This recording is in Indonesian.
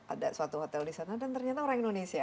ada suatu hotel di sana dan ternyata orang indonesia